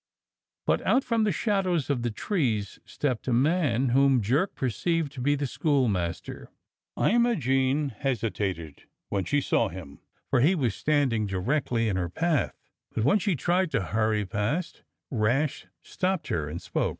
But out from the shadows of the trees stepped a man, whom Jerk perceived to be the school master. Imogene hesitated when she saw him, for he was standing directly in her path, but when she tried to hurry past, Rash stopped her and spoke.